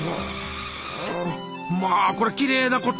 まあこれきれいなこと！